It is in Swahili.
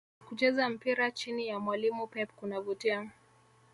Kucheza mpira chini ya mwalimu Pep kunavutia